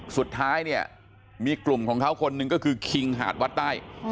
สุดท้ายเนี่ยมีกลุ่มของเขาคนหนึ่งก็คือคิงหาดวัดใต้